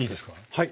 はい。